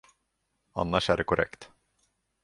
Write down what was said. Annars är det korrekt.